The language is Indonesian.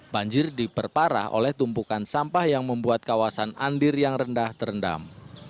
banjir diperparah oleh tumpukan sampah yang membuat kawasan andir yang rendah terendam